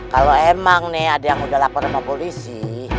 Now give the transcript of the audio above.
kalau emang nih ada yang udah lapor sama polisi